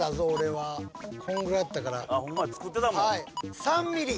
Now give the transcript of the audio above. こんぐらいやったからホンマや作ってたもん